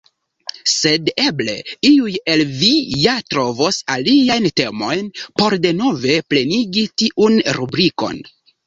Sed eble iuj el vi ja trovos aliajn temojn, por denove plenigi tiun rubrikon.